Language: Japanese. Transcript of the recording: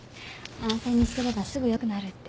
安静にしてればすぐよくなるって。